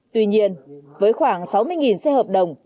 tuy nhiên với khoảng sáu mươi xe hợp đồng